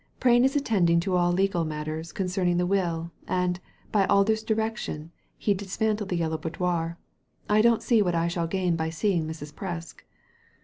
Prain is attending to all legal matters con cerning the will, and, by Alder's direction, he dis manded the Yellow Boudour. I don't see what I shall gain by seeing Mrs. Presk."